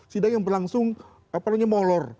sidang yang berlangsung molor